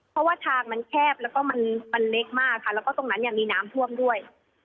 เพราะว่าทางมันแคบแล้วก็มันเล็กมากค่ะแล้วก็ตรงนั้นเนี่ยมีน้ำท่วมด้วย